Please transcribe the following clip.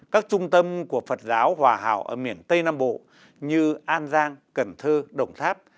các trung tâm của phật giáo hòa hào ở miền tây nam bộ như an giang cần thơ đồng tháp